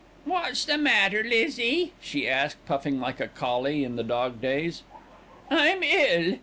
"What's the matter, Lizzie?" she asked, puffing like a collie in the Dog Days. "I'm ill.